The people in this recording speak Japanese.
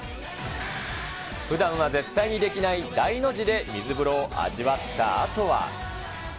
ふだんは絶対にできない大の字で水風呂を味わったあとは。